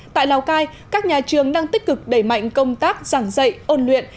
tại lào cai các nhà trường đang tích cực đẩy mạnh công tác giảng dạy ôn luyện